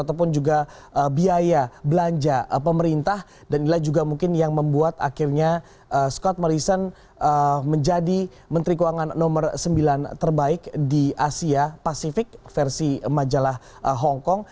ataupun juga biaya belanja pemerintah dan inilah juga mungkin yang membuat akhirnya scott morrison menjadi menteri keuangan nomor sembilan terbaik di asia pasifik versi majalah hongkong